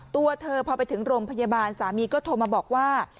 ตัวเธอพอไปถึงโรงพยาบาลสามีก็โทรมาบอกว่า